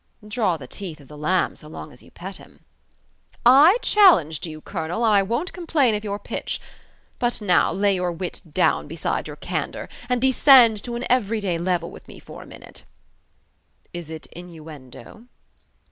"Draw the teeth of the lamb so long as you pet him!" "I challenged you, colonel, and I won't complain of your pitch. But now lay your wit down beside your candour, and descend to an every day level with me for a minute." "Is it innuendo?"